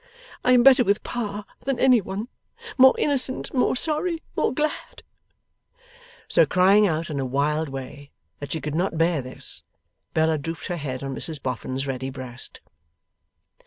I am better with Pa than any one more innocent, more sorry, more glad!' So, crying out in a wild way that she could not bear this, Bella drooped her head on Mrs Boffin's ready breast.